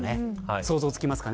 想像つきますかね。